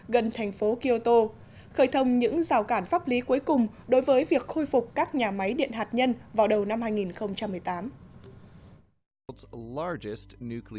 gần thành phố kyoto khởi thông những rào cản pháp lý cuối cùng đối với việc khôi phục các nhà máy điện hạt nhân vào đầu năm hai nghìn một mươi tám